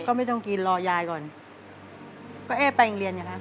ก็ไม่ต้องกินรอยายก่อนก็เอ๊ะไปโรงเรียนอยู่ครับ